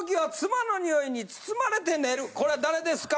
これは誰ですか？